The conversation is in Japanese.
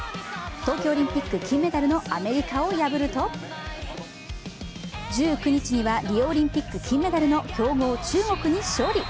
東京オリンピック金メダルのアメリカを破ると１９日にはリオオリンピック金メダルの強豪・中国に勝利。